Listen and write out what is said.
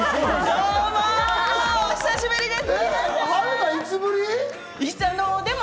どうもお久しぶりです！